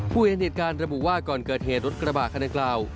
เห็นเหตุการณ์ระบุว่าก่อนเกิดเหตุรถกระบะคันดังกล่าว